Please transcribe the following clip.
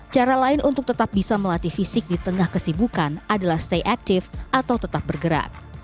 cara lain untuk tetap bisa melatih fisik di tengah kesibukan adalah stay active atau tetap bergerak